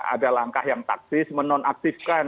ada langkah yang taktis menonaktifkan